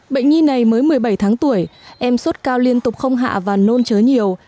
bệnh nhi này mới một mươi bảy tháng tuổi em suốt cao liên tục không hạ và nôn chớ nhiều